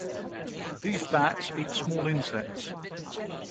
These bats eat small insects.